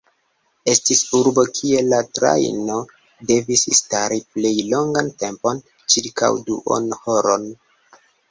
Estis urbo kie la trajno devis stari plej longan tempon – ĉirkaŭ duonhoron.